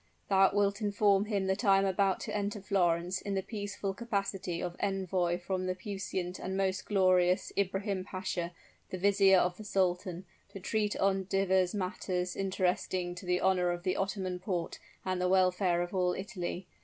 Thou wilt inform him that I am about to enter Florence in the peaceful capacity of envoy from the puissant and most glorious Ibrahim Pasha, the vizier of the sultan, to treat on divers matters interesting to the honor of the Ottoman Porte and the welfare of all Italy.